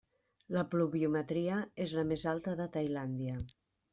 La pluviometria és la més alta de Tailàndia.